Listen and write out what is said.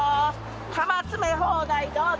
カマ詰め放題どうぞ！